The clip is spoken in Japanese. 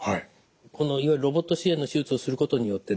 このロボット支援の手術をすることによってですね